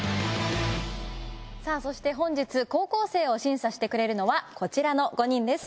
さあそして本日高校生を審査してくれるのはこちらの５人です。